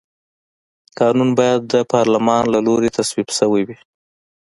قانون باید د پارلمان له لوري تصویب شوی وي.